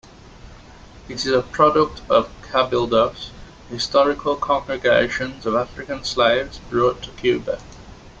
It is a product of "cabildos", historical congregations of African slaves brought to Cuba.